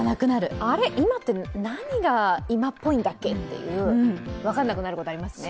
あれ、今って何が今っぽいんだっけって分からなくなることありますね。